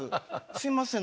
すいません。